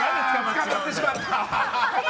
捕まってしまった。